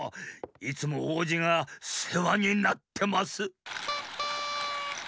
いつもおうじがせわになってます。